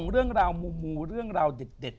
เรื่องราวมูเรื่องราวเด็ด